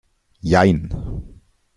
Jein.